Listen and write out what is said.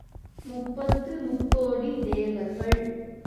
முப்பத்து முக்கோடி தேவர்கள்.